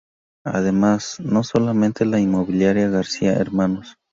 Además, no solamente la inmobiliaria García Hnos.